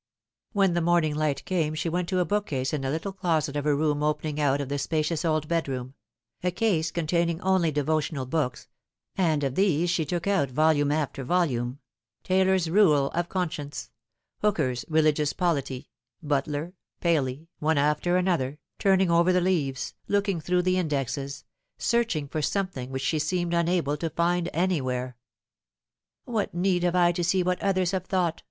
When the morning light came she went to a bookcase in a little closet of a room opening out of the spacious old bedroom a case containing only devotional books, and of these she took out volume after volume Taylor's Rule of Conscience, Hooker's 142 The Fatal Three. Religious Polity, Butler, Paley one after another, turning over the leaves, looking through the indexes searching for some thing which she seemed unable to find anywhere. " What need have I to see what others have thought